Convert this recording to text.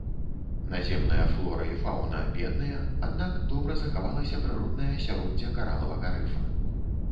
Наземная флора і фаўна бедныя, аднак добра захавалася прыроднае асяроддзе каралавага рыфа.